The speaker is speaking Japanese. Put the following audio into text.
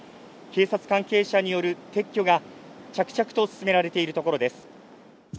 警察関係者による撤去が着々と進められているところです。